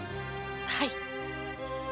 はい。